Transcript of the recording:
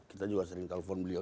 kita juga sering telpon beliau